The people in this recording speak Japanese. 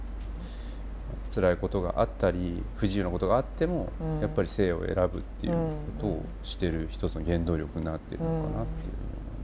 つらいことがあったり不自由なことがあってもやっぱり生を選ぶっていうことをしてる一つの原動力になってるのかなって。